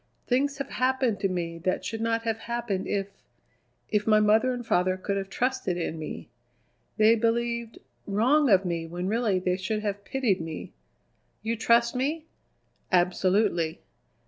Things have happened to me that should not have happened if if my mother and father could have trusted in me. They believed wrong of me when really they should have pitied me. You trust me?" "Absolutely."